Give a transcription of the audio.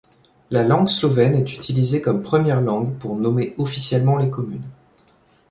La langue slovène est utilisée comme première langue pour nommer officiellement les communes.